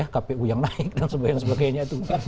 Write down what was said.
kpu yang naik dan sebagainya itu